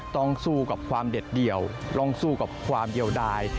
ต้องสู้กับความเด็ดเดี่ยวต้องสู้กับความเดียวดาย